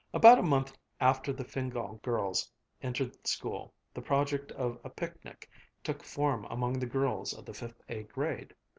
About a month after the Fingál girls entered school, the project of a picnic took form among the girls of the Fifth A grade.